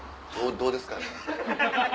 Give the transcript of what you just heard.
どうですかね？